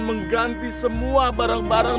mengganti semua barang barang